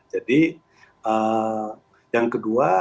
jadi yang kedua